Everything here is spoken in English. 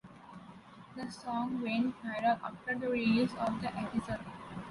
The song went viral after the release of the episode.